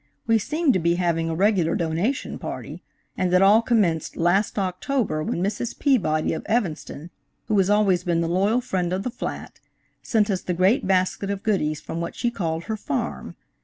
We seemed to be having a regular donation party, and it all commenced last October when Mrs. Peabody, of Evanston, who has always been the loyal friend of the flat, sent us the great basket of goodies from what she called her farm.